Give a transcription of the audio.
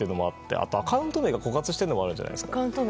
あと、アカウント名が枯渇しているのもあるんじゃないですか。